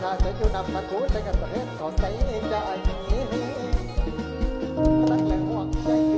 กลายใจอยู่นำมากูใจกันตัวเองเขาใส่ใจ